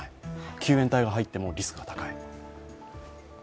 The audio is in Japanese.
救援隊が入ってもリスクが高い。